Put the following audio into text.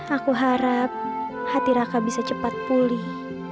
aku harap hati raka bisa cepat pulih